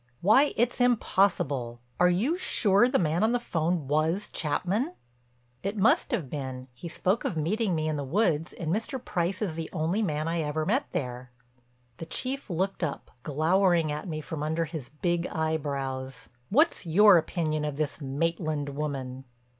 Why, it's impossible. Are you sure the man on the 'phone was Chapman?" "It must have been. He spoke of meeting me in the woods and Mr. Price is the only man I ever met there." The Chief looked up, glowering at me from under his big eyebrows: "What's your opinion of this Maitland woman?"